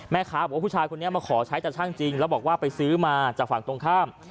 แม่ค้าบอกว่าผู้ชายคนนี้มาขอใช้แต่ช่างจริงแล้วบอกว่าไปซื้อมาจากฝั่งตรงข้าม